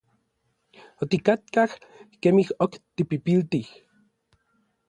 Otikatkaj kemij ok tipipiltij.